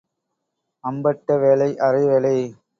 அம்பட்ட வேலை அரை வேலை.